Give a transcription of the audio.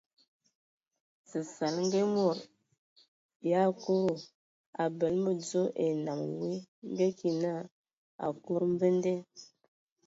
Səsala ngə e mod yʼakodo abələ mədzo ai nnam woe ngə ki na akodo mvende.